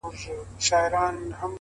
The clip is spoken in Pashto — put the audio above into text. صبر د هیلو ساتونکی دیوال دی’